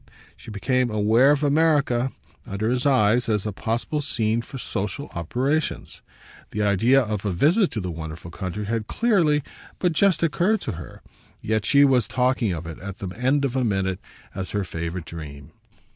She became aware of America, under his eyes, as a possible scene for social operations; the idea of a visit to the wonderful country had clearly but just occurred to her, yet she was talking of it, at the end of a minute, as her favourite dream.